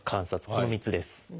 この３つです。